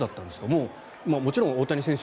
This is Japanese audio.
もう、もちろん大谷選手